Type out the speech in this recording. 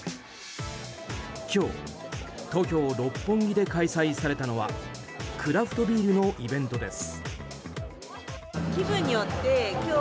東京・六本木で開催されたのはクラフトビールのイベントです。